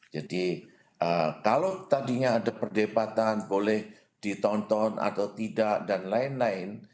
jadi kalau tadinya ada perdebatan boleh ditonton atau tidak dan lain lain